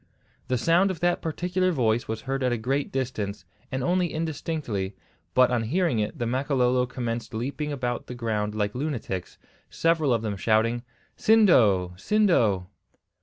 The sound of that particular voice was heard at a great distance, and only indistinctly, but on hearing it the Makololo commenced leaping about the ground like lunatics, several of them shouting, "Sindo! Sindo!"